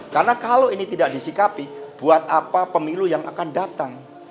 karena kalau ini tidak disikapi buat apa pemilu yang akan datang